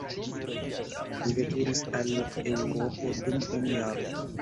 Li veturis al Eŭropo dum unu jaro.